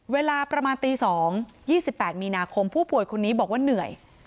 เวลาประมาณตี๒๒๘มีนาคมผู้ป่วยคนนี้บอกว่าเหนื่อย